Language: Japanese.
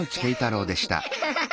ハハハッ！